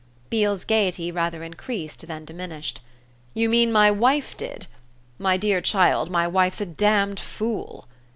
Beale's gaiety rather increased than diminished. "You mean my wife did? My dear child, my wife's a damned fool!"